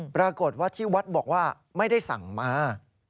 ปรากฏว่าที่วัดบอกว่าไม่ได้สั่งมา